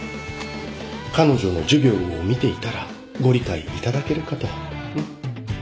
彼女の授業を見ていたらご理解いただけるかと。